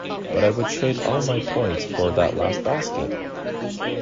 But I would trade all my points for that last basket.